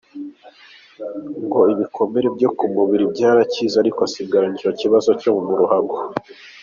Ngo ibikomere byo ku mubiri byarakize, ariko asigaranye icyo kibazo cyo mu ruhago.